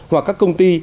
hoặc các công ty